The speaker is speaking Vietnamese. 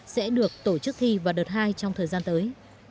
sẽ được tổ chức thi vào đợt hai trong thời gian tới